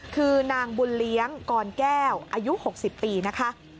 คือนางบุญเลี้ยงกรแก้วอายุ๖๐ปีนะคะ